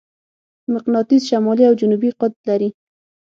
مقناطیس شمالي او جنوبي قطب لري.